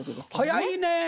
早いね！